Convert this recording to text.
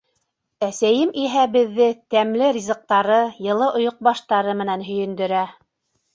Әсәйем иһә беҙҙе тәмле ризыҡтары, йылы ойоҡбаштары менән һөйөндөрә.